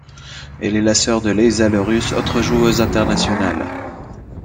Elle est la sœur de Laïsa Lerus, autre joueuse internationale.